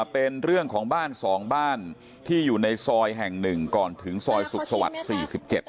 เป็นเรื่องของบ้าน๒บ้านที่อยู่ในซอยแห่งหนึ่งก่อนถึงซอยสุขสวรรค์๔๗